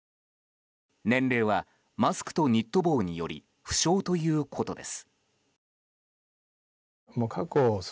年齢はマスクとニット帽により不詳ということです。